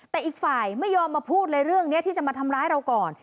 แต่อีกฝ่ายไม่ยอมมาพูดเลยเรื่องนี้ที่จะมาทำร้ายเราก่อน